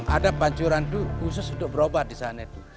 ada pancuran itu khusus untuk berobat disana itu